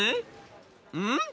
ん？